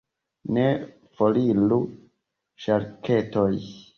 Ne, foriru ŝarketoj!